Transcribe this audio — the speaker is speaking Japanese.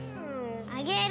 あげる！